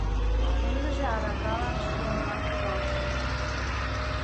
Ындыже аракалан шкемымат ужалышым...